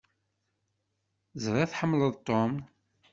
Ẓriɣ tḥemmleḍ Tom.